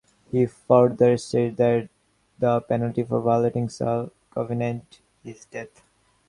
He further states that the penalty for violating such a covenant is death.